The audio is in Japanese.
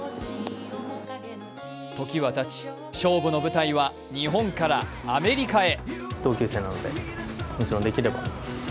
時はたち、勝負の舞台は日本からアメリカへ。